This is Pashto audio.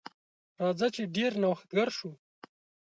راځه چې ډیر نوښتګر شو.